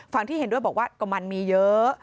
ที่เห็นด้วยบอกว่าก็มันมีเยอะ